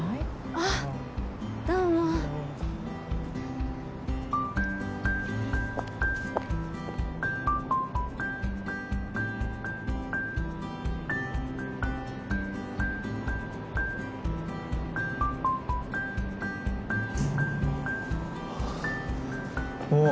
あっどうもおおー